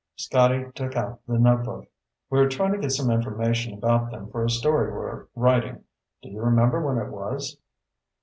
Scotty took out the notebook. "We're trying to get some information about them for a story we're writing. Do you remember when it was?"